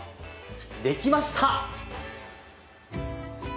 できました！